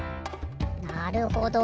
なるほど。